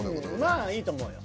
まあいいと思うよ。